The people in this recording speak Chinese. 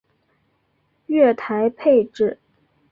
月台配置